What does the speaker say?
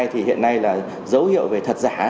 thì hiện nay là dấu hiệu về thật giả